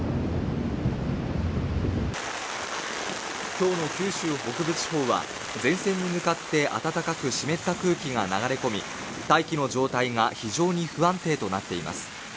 今日の九州北部地方は前線に向かって暖かく湿った空気が流れ込み大気の状態が非常に不安定となっています